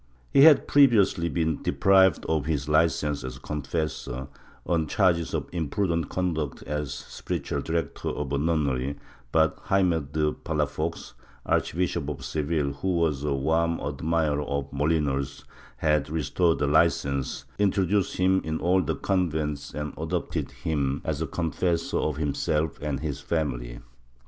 He had previously been deprived of his hcence as confessor, on charges of imprudent conduct as spiritual director of a nunnery, but Jaime de Palafox, Archbishop of Seville, who was a warm admirer of Mohnos, had restored the licence, introduced him in all the convents and adopted him as confessor of himself and his family.